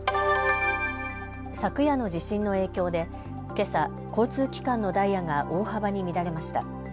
昨夜の地震の影響でけさ交通機関のダイヤが大幅に乱れました。